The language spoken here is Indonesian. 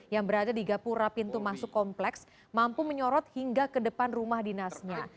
yang berada di gapura pintu masuk kompleks mampu menyorot hingga ke depan rumah dinasnya